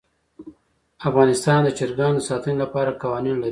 افغانستان د چرګان د ساتنې لپاره قوانین لري.